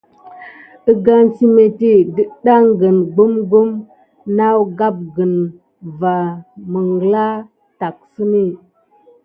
Əgane səmétti dətɗaŋgəne gɓugɓum nawgapgəne ane va məŋɠla tacksəne.